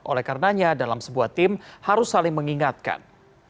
oleh karenanya dalam sebuah tim harus saling mengingatkan